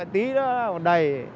tí đó đầy